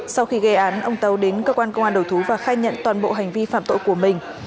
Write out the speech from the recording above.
sau khi gây án ông tàu đến cơ quan công an đầu thú và khai nhận toàn bộ hành vi phạm tội của mình